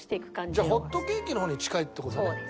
じゃあホットケーキの方に近いって事ね。